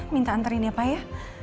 minta antarin ya pak ya